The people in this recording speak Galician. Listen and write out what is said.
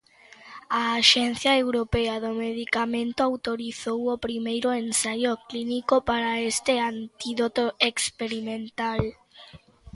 A Axencia Europea do Medicamento autorizou o primeiro ensaio clínico para este antídoto experimental.